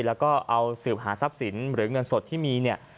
แล้วก็เอาสืบหาทรัพย์สินหรือเงินสดที่มีเนี่ย